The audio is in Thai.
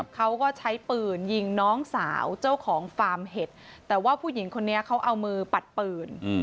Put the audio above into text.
เขาก็ใช้ปืนยิงน้องสาวเจ้าของฟาร์มเห็ดแต่ว่าผู้หญิงคนนี้เขาเอามือปัดปืน